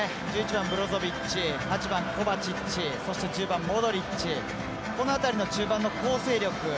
１１番、ブロゾビッチ８番、コバチッチそして、１０番、モドリッチこの辺りの中盤の構成力。